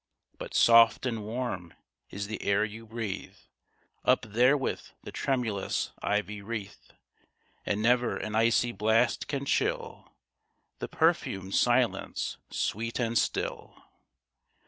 But soft and warm is the air you breathe Up therewith the tremulous ivy wreath, And never an icy blast can chill The perfumed silence sweet and still.